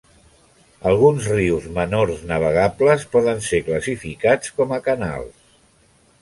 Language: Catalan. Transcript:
Alguns rius menors navegables poden ser classificats com a canals.